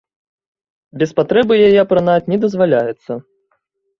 Без патрэбы яе апранаць не дазваляецца.